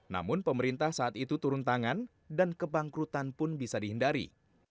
namun pemerintah saat itu turun tangan dan kebangkrutan pun bisa dihindari